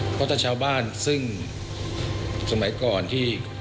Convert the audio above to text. เพราะถ้าชาวบ้านซึ่งสมัยก่อนที่